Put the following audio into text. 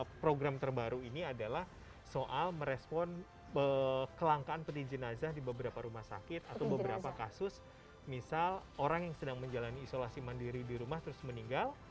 nah program terbaru ini adalah soal merespon kelangkaan peti jenazah di beberapa rumah sakit atau beberapa kasus misal orang yang sedang menjalani isolasi mandiri di rumah terus meninggal